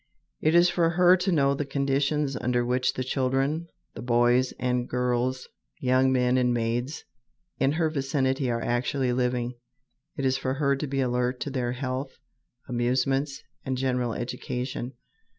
It is for her to know the conditions under which the children, the boys and girls, young men and maids, in her vicinity are actually living. It is for her to be alert to their health, amusements, and general education.